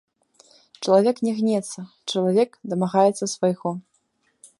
Чалавек не гнецца, чалавек дамагаецца свайго.